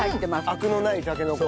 アクのないタケノコ。